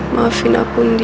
maafin aku andi